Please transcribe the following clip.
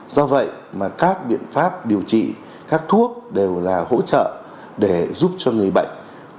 do vậy mà các biện pháp điều trị các thuốc đều là hỗ trợ để giúp cho người bệnh